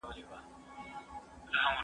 زه اجازه لرم چي سبزیجات پاختم؟